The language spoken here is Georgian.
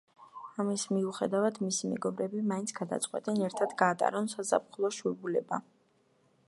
ამის მიუხედავად, მისი მეგობრები მაინც გადაწყვეტენ, ერთად გაატარონ საზაფხულო შვებულება.